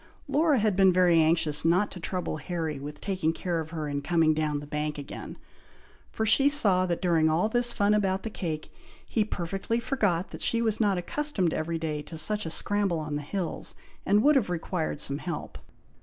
Laura had been very anxious not to trouble Harry with taking care of her in coming down the bank again; for she saw that during all this fun about the cake, he perfectly forgot that she was not accustomed every day to such a scramble on the hills, and would have required some help.